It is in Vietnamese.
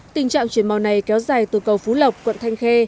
tình trạng chuyển màu này kéo dài từ cầu phú lộc quận thanh khê